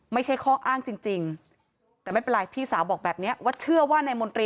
ไม่ใช่ข้ออ้างจริงแต่ไม่เป็นไรพี่สาวบอกแบบนี้